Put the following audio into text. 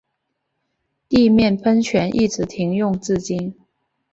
地面喷泉一直停用至今。